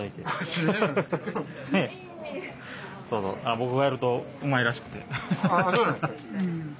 そうそう僕がやるとうまいらしくて。